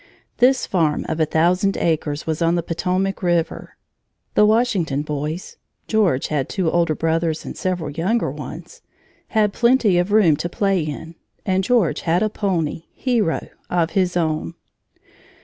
This farm of a thousand acres was on the Potomac River. The Washington boys (George had two older brothers and several younger ones) had plenty of room to play in, and George had a pony, Hero, of his own.